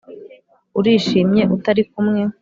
urishimye utari kumwe